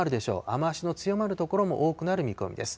雨足の強まる所も多くなる見込みです。